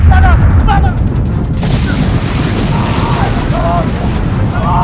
aku harus melihat keadaannya